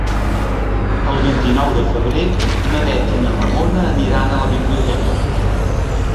El vint-i-nou de febrer na Bet i na Ramona aniran a la biblioteca.